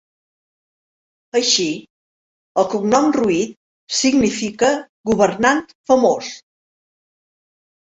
Així, el cognom Ruiz significa "governant famós".